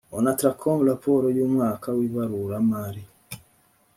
onatracom raporo y umwaka w ibaruramari